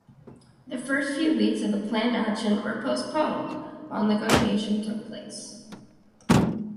The first few weeks of the planned action were postponed while negotiation took place.